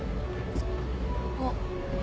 あっ。